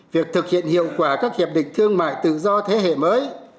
việc thực hiện hiệu quả các hiệp định thương mại tự do thế hệ mới